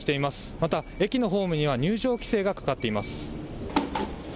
また、駅のホームには入場規制がかかっています。